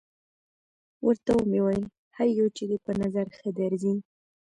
ورته ومې ویل: هر یو چې دې په نظر ښه درځي.